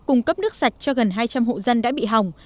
cung cấp nước sạch cho gần hai trăm linh hộ dân đã bị hỏng